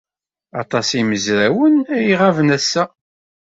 Aṭas n yimezrawen ay iɣaben ass-a.